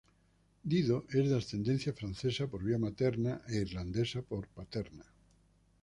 Dido es de ascendencia francesa por vía materna e irlandesa por vía paterna.